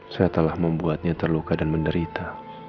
saya telah membuatnya terluka dan menderita